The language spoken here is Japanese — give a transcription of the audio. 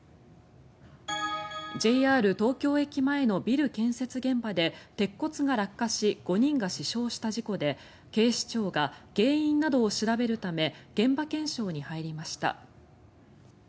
ＪＲ東京駅前のビル建設現場で鉄骨が落下し５人が死傷した事故で警視庁が原因などを調べるため現場検証に入りました。